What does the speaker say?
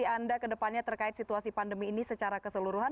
bagi anda ke depannya terkait situasi pandemi ini secara keseluruhan